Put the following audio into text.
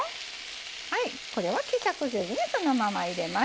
はいこれは希釈せずにそのまま入れます。